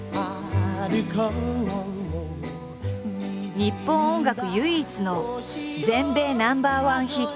日本音楽唯一の全米ナンバーワンヒット。